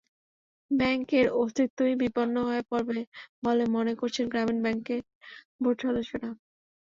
ব্যাংকের অস্তিত্বই বিপন্ন হয়ে পড়বে বলে মনে করছেন গ্রামীণ ব্যাংকের বোর্ড সদস্যরা।